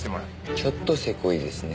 ちょっとせこいですね。